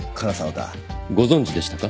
ご存じでしたか。